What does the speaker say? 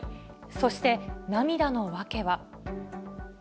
そして、涙の訳は。